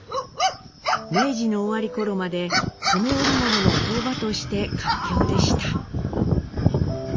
明治の終わり頃まで染め織物の工場として活況でした。